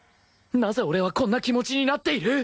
なぜ俺はこんな気持ちになっている！？